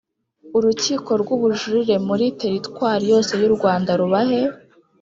urukiko rw ubujurire muri teritwari yose y u Rwanda rubahe